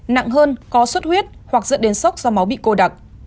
nặng hơn có suốt huyết hoặc dẫn đến sốc do máu bị cô đặc